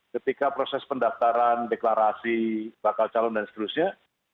ketika proses pendaftaran deklarasi bakal calon dan seterusnya